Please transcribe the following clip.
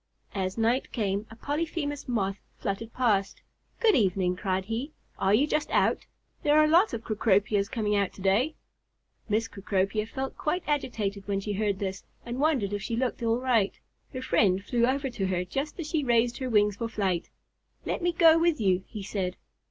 As night came, a Polyphemus Moth fluttered past. "Good evening!" cried he. "Are you just out? There are a lot of Cecropias coming out to day." Miss Cecropia felt quite agitated when she heard this, and wondered if she looked all right. Her friend flew over to her just as she raised her wings for flight. "Let me go with you," he said.